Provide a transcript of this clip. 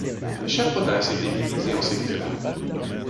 Chaque province était divisée en secteurs.